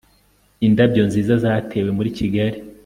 Indabyo nziza zatewe muri Kigali